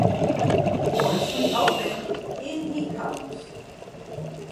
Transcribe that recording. Once we open, in he comes.